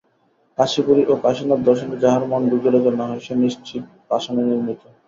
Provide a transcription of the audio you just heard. কাশীপুরী ও কাশীনাথদর্শনে যাহার মন বিগলিত না হয়, সে নিশ্চিত পাষাণে নির্মিত।